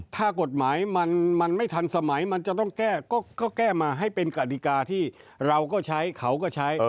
ถ้ากฎหมายมันไม่ทันสมัยมันจะต้องแก้ก็แก้มาให้เป็นกฎิกาที่เราก็ใช้เขาก็ใช้